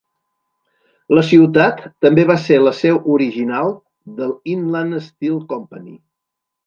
La ciutat també va ser la seu original de l'Inland Steel Company.